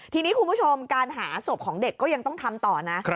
ทีนี้คุณผู้ชมการหาศพของเด็กก็ยังต้องทำต่อนะ